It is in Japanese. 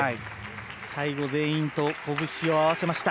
最後、全員とこぶしを合わせました。